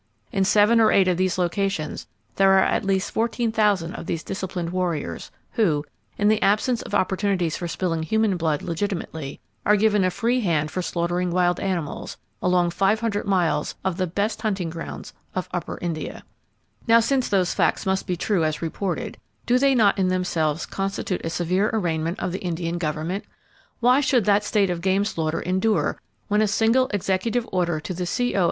In seven or eight of these locations there are at least 14,000 of these disciplined warriors, who, in the absence of opportunities for spilling human blood legitimately, are given a free hand for slaughtering wild animals, along five hundred miles of the best hunting grounds of Upper India." [Page 191] Now, since those facts must be true as reported, do they not in themselves constitute a severe arraignment of the Indian government? Why should that state of game slaughter endure, when a single executive order to the C.O.